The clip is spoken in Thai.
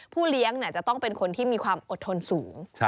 เลี้ยงจะต้องเป็นคนที่มีความอดทนสูง